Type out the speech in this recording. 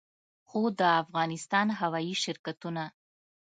خو د افغانستان هوايي شرکتونه